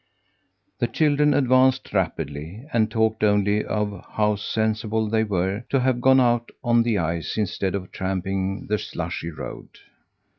The children advanced rapidly, and talked only of how sensible they were to have gone out on the ice instead of tramping the slushy road.